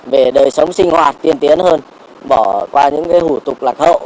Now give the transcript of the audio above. về đời sống sinh hoạt tiên tiến hơn bỏ qua những hủ tục lạc hậu